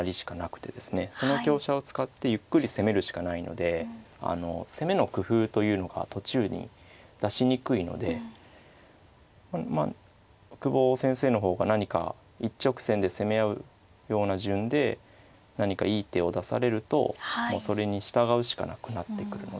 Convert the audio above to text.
その香車を使ってゆっくり攻めるしかないので攻めの工夫というのが途中に出しにくいので久保先生の方が何か一直線で攻め合うような順で何かいい手を出されるともうそれに従うしかなくなってくるので。